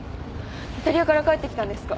イタリアから帰ってきたんですか？